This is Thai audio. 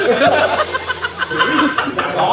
หือจัดร้อน